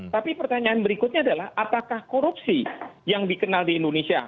tapi pertanyaan berikutnya adalah apakah korupsi yang dikenal di indonesia